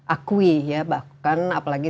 akui ya bahkan apalagi